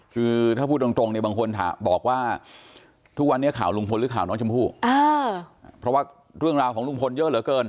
คือถ้าพูดตรงเนี่ยบางคนบอกว่าทุกวันนี้ข่าวลุงพลหรือข่าวน้องชมพู่เพราะว่าเรื่องราวของลุงพลเยอะเหลือเกิน